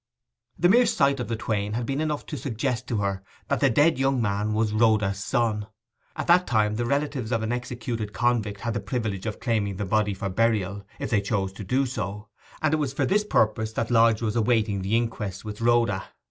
The mere sight of the twain had been enough to suggest to her that the dead young man was Rhoda's son. At that time the relatives of an executed convict had the privilege of claiming the body for burial, if they chose to do so; and it was for this purpose that Lodge was awaiting the inquest with Rhoda.